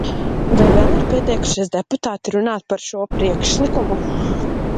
Vai vēl ir pieteikušies deputāti runāt par šo priekšlikumu?